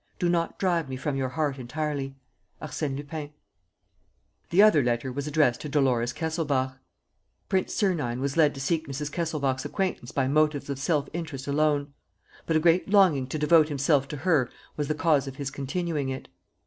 Do not drive me from your heart entirely. "ARSÈNE LUPIN." The other letter was addressed to Dolores Kesselbach: "Prince Sernine was led to seek Mrs. Kesselbach's acquaintance by motives of self interest alone. But a great longing to devote himself to her was the cause of his continuing it.